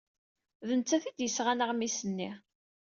D nettat ay d-yesɣan aɣmis-nni.